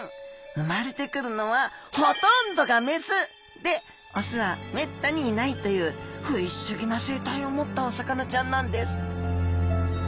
生まれてくるのはで雄はめったにいないというフィッシュギな生態を持ったお魚ちゃんなんです！